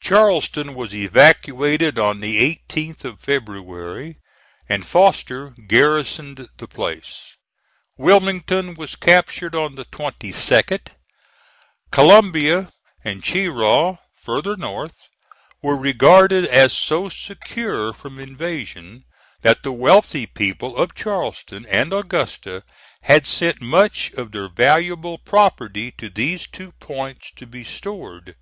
Charleston was evacuated on the 18th of February, and Foster garrisoned the place. Wilmington was captured on the 22d. Columbia and Cheraw farther north, were regarded as so secure from invasion that the wealthy people of Charleston and Augusta had sent much of their valuable property to these two points to be stored.